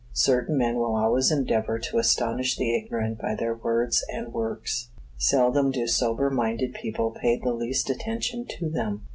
Certain men will always endeavor to astonish the ignorant by their words and works. Seldom do sober minded people pay the least attention to them.